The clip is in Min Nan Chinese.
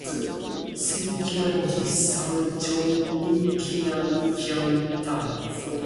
醫生驚治嗽，總鋪驚食晝